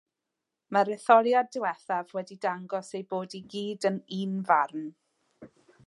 Mae'r etholiad diwethaf wedi dangos eu bod i gyd yn unfarn.